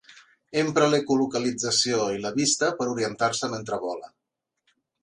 Empra l'ecolocalització i la vista per orientar-se mentre vola.